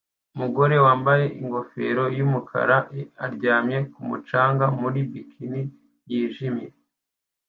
Umugore wambaye ingofero yumukara aryamye ku mucanga muri bikini yijimye